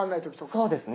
そうですね。